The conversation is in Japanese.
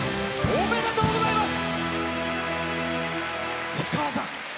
おめでとうございます。